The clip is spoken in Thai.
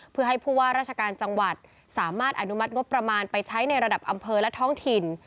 เพื่อให้ผู้ว่าราชการจังหวัดสามารถอนุมัติงบประมาณไปใช้ในระดับอำเภอและท้องถิ่น